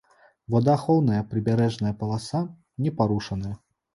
Водаахоўная прыбярэжная паласа не парушаная.